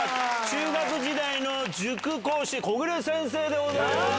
中学時代の塾講師木暮先生でございます。